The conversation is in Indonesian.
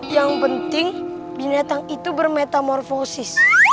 yang penting binatang itu bermetamorfosis